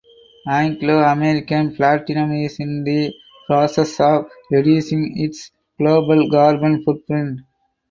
Anglo American Platinum is in the process of reducing its global carbon footprint.